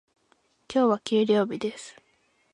今日は給料日です。